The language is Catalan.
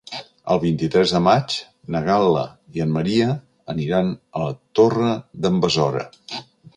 El vint-i-tres de maig na Gal·la i en Maria aniran a la Torre d'en Besora.